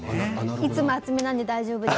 いつも厚めなんで大丈夫です。